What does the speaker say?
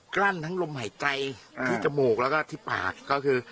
กลั้นทั้งลมหายใจที่จมูกแล้วก็ที่ปากก็คือ